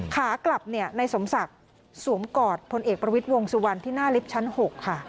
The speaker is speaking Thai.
ขากลับเนี่ยนายสมศักดิ์สวมกอดพลเอกประวิทย์วงสุวรรณที่หน้าลิฟท์ชั้น๖ค่ะ